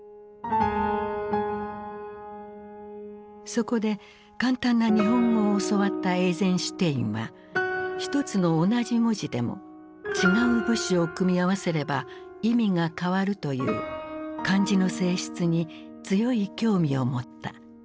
そこで簡単な日本語を教わったエイゼンシュテインは一つの同じ文字でも違う部首を組み合わせれば意味が変わるという漢字の性質に強い興味を持った。